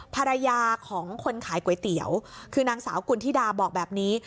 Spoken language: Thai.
ภรรยาของคนขายก๋วยเตี๋ยวคือนางสาวกุณฑิดาบอกแบบนี้